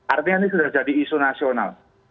artinya ini sudah jadi isu nasional